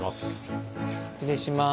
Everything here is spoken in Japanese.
失礼します。